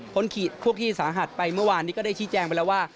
ขีดพวกที่สาหัสไปเมื่อวานนี้ก็ได้ชี้แจงไปแล้วว่า